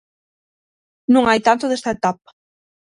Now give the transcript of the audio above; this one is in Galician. Non hai tanto desta etapa.